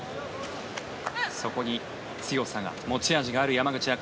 そこに強さが持ち味がある山口茜。